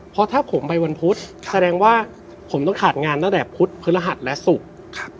เพราะถ้าผมไปวันพุธแสดงว่าผมต้องขาดงานตั้งแต่พุธพฤหัสและศุกร์